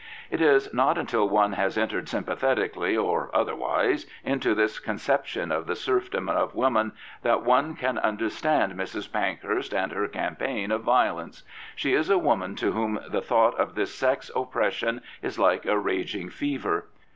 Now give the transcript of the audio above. It is not until one has entered sympathetically or otherwise into this conception of the sg*fdom of woman that one can understand Mrs. Pankhurst and her campaign of violence. She is a woman to whom the thought of this sex oppression is like a raging fever.